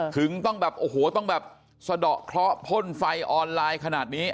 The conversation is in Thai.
ถึงต้องแบบโอ้โหต้องแบบสะดอกเคราะห์พ่นไฟออนไลน์ขนาดนี้